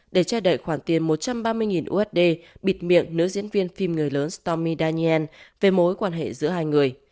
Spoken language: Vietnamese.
để che đậy khoản tiền một trăm ba mươi usd bịt miệng nữ diễn viên phim người lớn stomi daniel về mối quan hệ giữa hai người